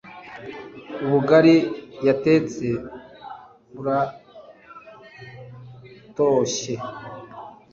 ubugari yatetse burartoshye